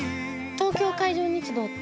東京海上日動って？